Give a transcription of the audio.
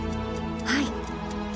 はい。